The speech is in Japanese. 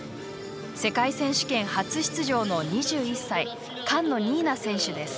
世界選手権初出場の２１歳菅野新菜選手です。